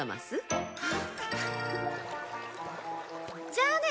じゃあね。